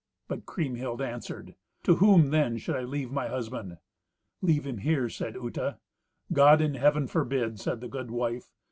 But Kriemhild answered, "To whom then should I leave my husband?" "Leave him here," said Uta. "God in Heaven forbid!" said the good wife.